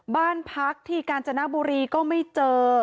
บ้านพักที่กาญจนบุรีก็ไม่เจอ